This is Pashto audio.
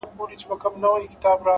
هره هڅه د راتلونکي لپاره پانګونه ده,